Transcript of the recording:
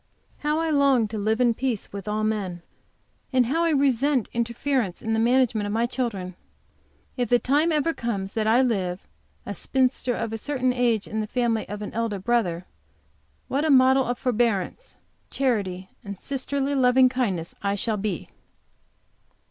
How I long to live in peace with all men, and how I resent interference in the management of my children! If the time ever comes that I live, a spinster of a certain age, in the family of an elder brother, what a model of forbearance, charity, and sisterly loving kindness I shall be!